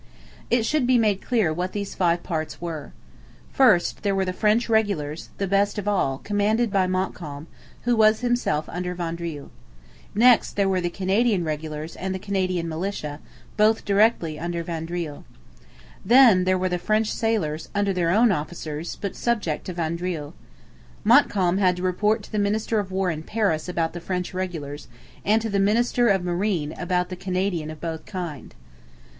It should be made clear what these five parts were. First, there were the French regulars, the best of all, commanded by Montcalm, who was himself under Vaudreuil. Next, there were the Canadian regulars and the Canadian militia, both directly under Vaudreuil. Then there were the French sailors, under their own officers, but subject to Vaudreuil. Montcalm had to report to the minister of War in Paris about the French regulars, and to the minister of Marine about the Canadians of both kinds.